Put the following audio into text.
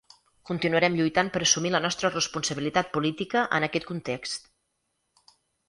Continuarem lluitant per assumir la nostra responsabilitat política en aquest context.